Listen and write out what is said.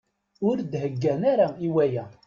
Ur d-heggan ara i waya.